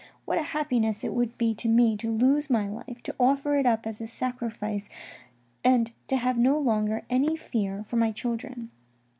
What a happiness it would be to me to lose my life, to offer it up as a sacrifice and to have no longer any fear for my children.